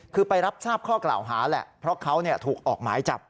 คือไปรับทราบข้อกล่าวหาแหละเพราะเขาถูกออกหมายจับ